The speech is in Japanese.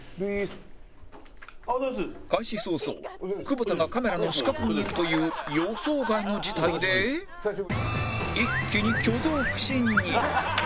開始早々久保田がカメラの死角にいるという予想外の事態で一気に挙動不審に